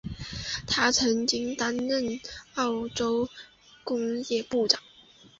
他曾经担任澳洲工业部长。